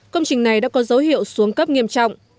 công trình này đã có dấu hiệu xuống cấp nghiêm trọng